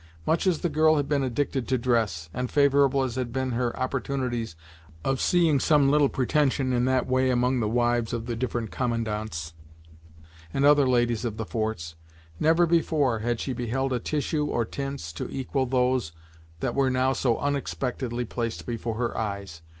Much as the girl had been addicted to dress, and favorable as had been her opportunities of seeing some little pretension in that way among the wives of the different commandants, and other ladies of the forts, never before had she beheld a tissue, or tints, to equal those that were now so unexpectedly placed before her eyes.